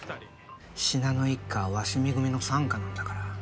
信濃一家は鷲見組の傘下なんだから。